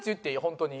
本当に。